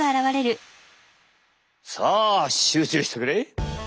さあ集中してくれ。